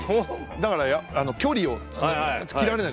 だから距離を斬られない。